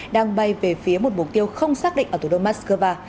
đang bay về phía một mục tiêu không xác định ở thủ đô mắc skơ va